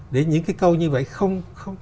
để những cái câu như vậy không